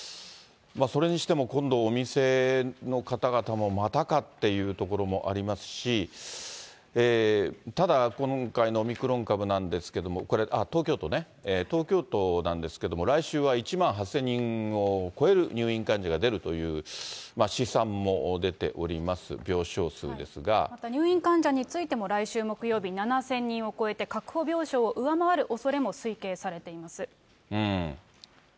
それにしても今度、お店の方々もまたかっていうところもありますし、ただ、今回のオミクロン株なんですけれども、あっ、これ、東京都ね、東京都なんですけれども、来週は１万８０００人を超える入院患者が出るという試算も出ておまた入院患者についても、来週木曜日、７０００人を超えて、確保病床を上回るおそれも推定されています。